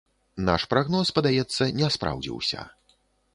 Наш прагноз, падаецца, не спраўдзіўся.